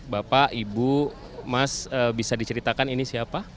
bapak ibu mas bisa diceritakan ini siapa